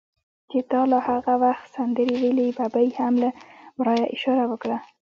چې تا لا هغه وخت سندرې ویلې، ببۍ هم له ورایه اشاره وکړه.